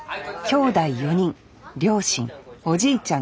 きょうだい４人両親おじいちゃん